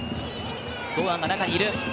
堂安が中にいる。